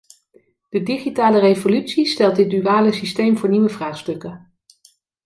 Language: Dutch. De digitale revolutie stelt dit duale systeem voor nieuwe vraagstukken.